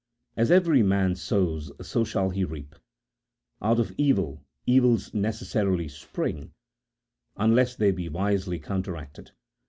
As every man sows so shall he reap : out of evil, evils neces sarily spring, unless they be wisely counteracted.